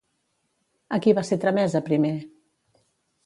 A qui va ser tramesa primer?